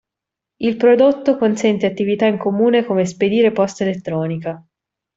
Il prodotto consente attività in comune come spedire posta elettronica.